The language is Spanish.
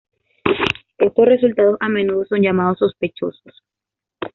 Estos resultados a menudo son llamados "sospechosos".